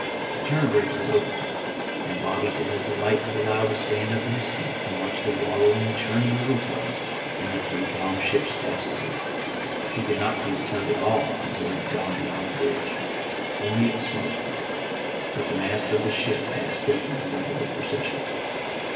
The turn bridge was open; and Bobby to his delight was allowed to stand up in his seat and watch the wallowing, churning little tug and the three calm ships pass through. He could not see the tug at all until it had gone beyond the bridge, only its smoke; but the masts of the ship passed stately in regular procession.